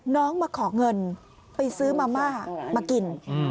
น้องมาขอเงินไปซื้อมาม่ามากิน